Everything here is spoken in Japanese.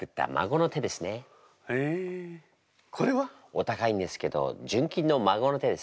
お高いんですけど純金の孫の手です。